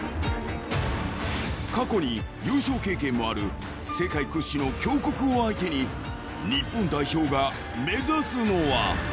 ［過去に優勝経験もある世界屈指の強国を相手に日本代表が目指すのは］